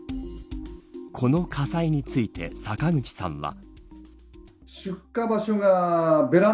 この火災について、坂口さんは。